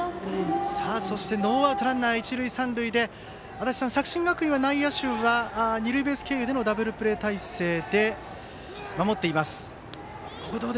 そしてノーアウトランナー、一塁三塁で足達さん、作新学院は内野手が二塁ベース経由でのダブルプレー態勢で守っています。